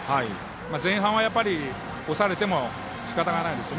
前半はやっぱり押されてもしかたがないですね。